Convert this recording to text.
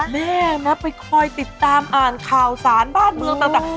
แม่นะไปคอยติดตามอ่านข่าวสารบ้านเมืองต่าง